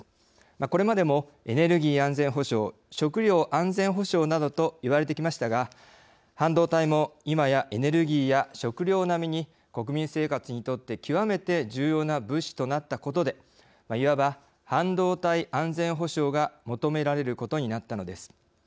これまでもエネルギー安全保障食料安全保障などといわれてきましたが半導体もいまやエネルギーや食料並みに国民生活にとって極めて重要な物資となったことでいわば半導体安全保障が求められることになったのです。